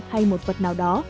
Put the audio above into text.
hay một vật nào đó